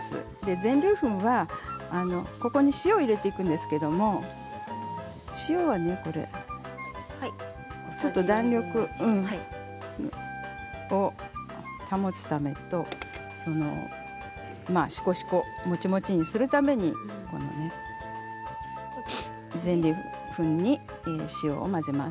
全粒粉は、ここに塩を入れていくんですけれども塩はちょっと弾力を保つためとシコシコ、もちもちにするために全粒粉に塩を混ぜます。